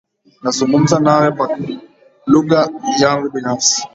Nazungumza nawe kwa lugha yangu binafsi.